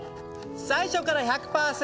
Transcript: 最初から１００％